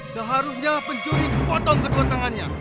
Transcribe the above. seharusnya pencuri dipotong kedua tangannya